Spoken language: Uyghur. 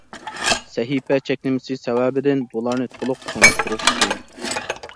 سەھىپە چەكلىمىسى سەۋەبىدىن بۇلارنى تولۇق تونۇشتۇرۇش قىيىن.